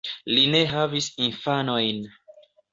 Li ne havis infanojn.